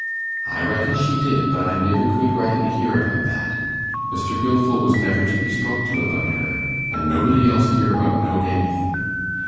'I reckon she did, but I niver could rightly hear about that. Mr. Gilfil was niver to be spoke to about her, and nobody else hereabout knowed anythin'.